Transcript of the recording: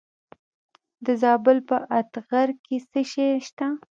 د زابل په اتغر کې څه شی شته؟